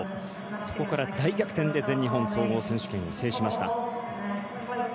そこから大逆転で全日本体操選手権を制しました。